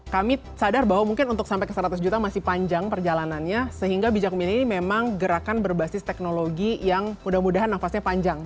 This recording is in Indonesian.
kami sadar bahwa mungkin untuk sampai ke seratus juta masih panjang perjalanannya sehingga bijakmina ini memang gerakan berbasis teknologi yang mudah mudahan nafasnya panjang